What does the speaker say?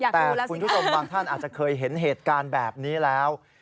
แต่คุณผู้ชมบางท่านอาจจะเคยเห็นเหตุการณ์แบบนี้แล้ว